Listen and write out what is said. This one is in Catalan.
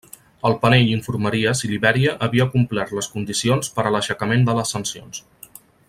El panell informaria si Libèria havia complert les condicions per a l'aixecament de les sancions.